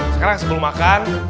sekarang sebelum makan